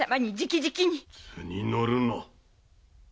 図に乗るな。